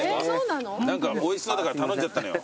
何かおいしそうだから頼んじゃったのよ。